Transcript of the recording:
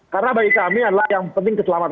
karena bagi kami adalah yang penting keselamatan